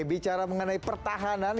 bicara mengenai pertahanan